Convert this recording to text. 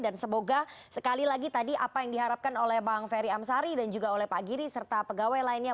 dan semoga sekali lagi tadi apa yang diharapkan oleh bang ferry amsari dan juga oleh pak giri serta pegawai lainnya